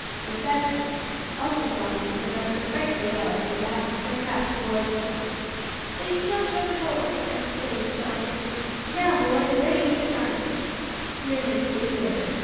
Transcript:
The savages also saw these, and uttered a frightful yell as they backed their craft towards them. "They've jumped overboard!" exclaimed Dominick. "Now, boys ready with your guns!" No need for this order.